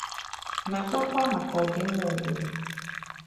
ma kpakwa maka ọdịmma obodo.